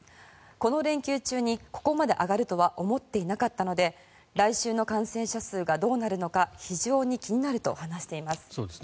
この連休中にここまで上がるとは思っていなかったので来週の感染者数がどうなるのか非常に気になると話しています。